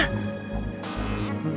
kenapa gue sebodoh itu ah